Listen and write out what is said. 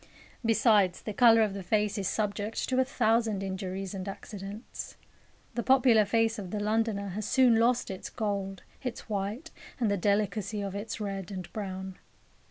Besides, the colour of the face is subject to a thousand injuries and accidents. The popular face of the Londoner has soon lost its gold, its white, and the delicacy of its red and brown.